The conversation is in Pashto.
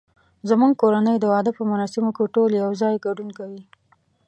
زمونږ کورنۍ د واده په مراسمو کې ټول یو ځای ګډون کوي